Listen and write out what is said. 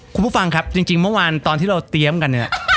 คุณผู้ฟังครับจริงเมื่อวานตอนที่เราเตรียมกันเนี่ย